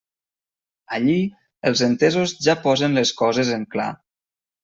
Allí els entesos ja posen les coses en clar.